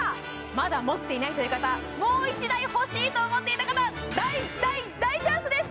まだ持っていないという方もう１台欲しいと思っていた方大大大チャンスです